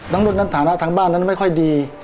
นุษย์นั้นฐานะทางบ้านนั้นไม่ค่อยดี